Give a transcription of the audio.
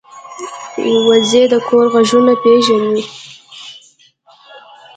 وزې د کور غږونه پېژني